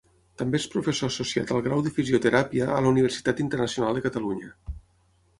També és professor associat al grau de fisioteràpia a la Universitat Internacional de Catalunya.